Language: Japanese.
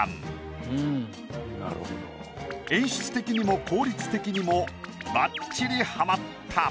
演出的にも効率的にもばっちりはまった。